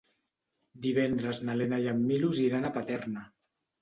Divendres na Lena i en Milos iran a Paterna.